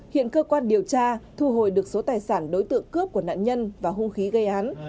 hiện cơ quan điều tra thu hồi được số tài sản đối tượng cướp của nạn nhân và hung khí gây án